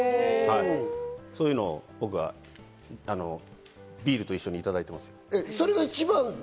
そういうのを僕はビールと一緒にいただいてます。